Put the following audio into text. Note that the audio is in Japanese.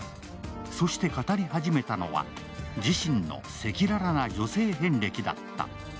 そして語り始めたのは、自身の赤裸々な女性遍歴だった。